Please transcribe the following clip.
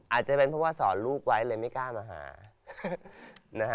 อาจจะเป็นพ่อสอนลูกไว้เลยไม่กล้ามระหา